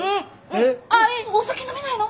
えっお酒飲めないの？